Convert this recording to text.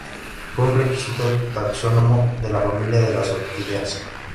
Fue un exquisito taxónomo de la familia de las orquídeas.